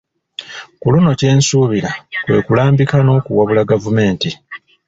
Ku luno kye nsuubira kwe kulambika n'okuwabula Gavumenti